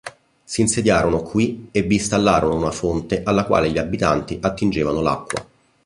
S'insediarono qui e vi installarono una fonte alla quale gli abitanti attingevano l'acqua.